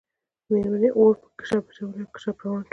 میرمنې اوړه په کشپ اچولي وو او کشپ روان شو